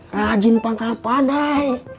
rajin pangkal padai